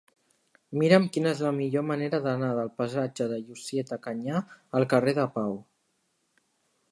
Mira'm quina és la millor manera d'anar del passatge de Llucieta Canyà al carrer de Pau.